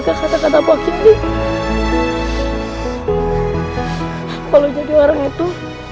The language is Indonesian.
kalau jadi orang itu